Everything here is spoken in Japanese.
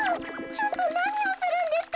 ちょっとなにをするんですか！？